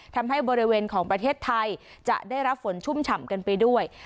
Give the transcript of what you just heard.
ทำให้บริเวณของประเทศไทยจะได้รับฝนชุ่มฉ่ำกันไปด้วย